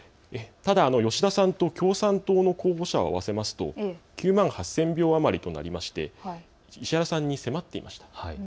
ただ、吉田さんと共産党の候補者を合わせますと９万８０００票余りとなりまして石原さんに迫っていました。